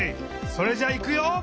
それじゃいくよ。